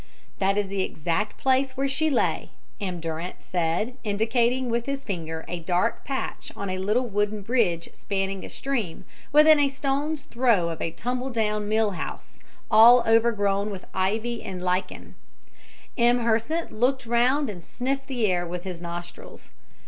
"That is the exact place where she lay," M. Durant said, indicating with his finger a dark patch on a little wooden bridge spanning a stream, within a stone's throw of a tumbledown mill house, all overgrown with ivy and lichens. M. Hersant looked round and sniffed the air with his nostrils.